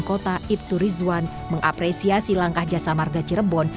kota ibturizwan mengapresiasi langkah jasa marga cirebon